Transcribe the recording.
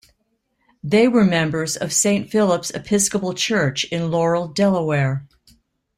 They were members of Saint Philip's Episcopal Church in Laurel, Delaware.